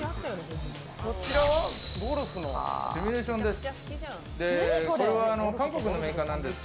こちらはゴルフのシミュレーションです。